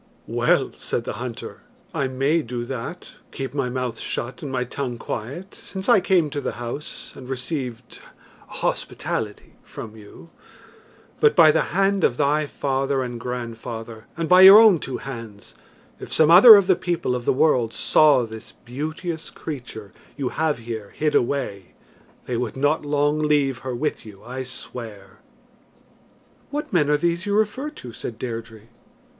"Well," said the hunter, "I may do that keep my mouth shut and my tongue quiet, since I came to the house and received hospitality from you; but by the hand of thy father and grandfather, and by your own two hands, if some other of the people of the world saw this beauteous creature you have here hid away, they would not long leave her with you, I swear." "What men are these you refer to?" said Deirdre.